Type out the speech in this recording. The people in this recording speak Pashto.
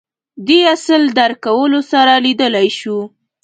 دې اصل درک کولو سره لیدلای شو